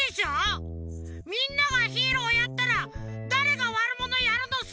みんながヒーローやったらだれがワルモノやるのさ！